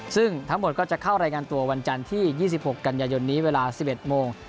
ซึ่งทั้งหมดก็จะเข้ารายงานตัววันจันทร์ที่๒๖กันยายนนี้เวลา๑๑โมง